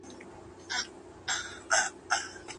د هر کس زغم یو شان نه دی.